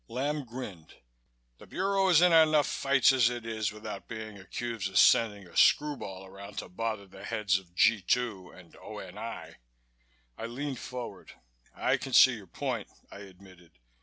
Lamb grinned. "The Bureau is in enough fights as it is without being accused of sending a screw ball around to bother the heads of G 2 and O.N.I." I leaned forward. "I can see your point," I admitted.